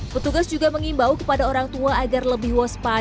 petugas juga mengimbau kepada orang tua agar lebih waspada